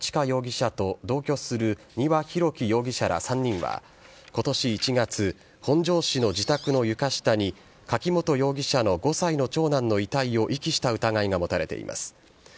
容疑者と同居する丹羽洋樹容疑者ら３人はことし１月、本庄市の自宅の床下に柿本容疑者の５歳の長男の遺体を遺棄した疑いが持たれています。